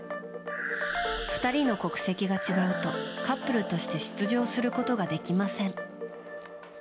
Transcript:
２人の国籍が違うとカップルとして出場することができません。